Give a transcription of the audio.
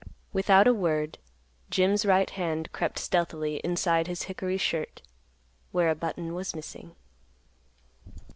Without a word, Jim's right hand crept stealthily inside his hickory shirt, where a button was missing.